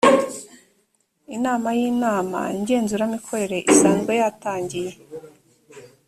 inama y inama ngenzuramikorere isanzwe yatangiye.